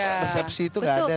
resepsi itu gak ada tuh ya